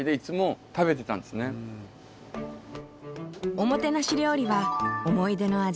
おもてなし料理は思い出の味